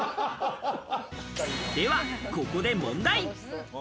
ではここで問題。